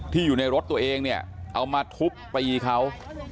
อยู่ในรถตัวเองเนี่ยเอามาทุบตีเขา